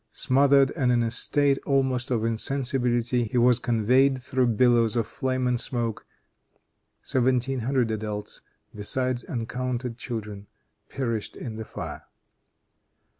Smothered, and in a state almost of insensibility, he was conveyed through billows of flame and smoke. Seventeen hundred adults, besides uncounted children, perished in the fire.